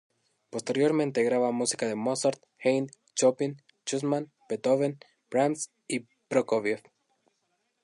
Posteriormente graba música de Mozart, Haydn, Chopin, Schumann, Beethoven, Brahms y Prokofiev.